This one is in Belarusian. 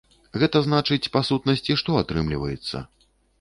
Гэта значыць, па сутнасці, што атрымліваецца?